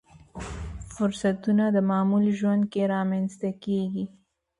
فرصتونه د معمول ژوند کې رامنځته کېږي.